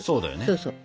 そうそう。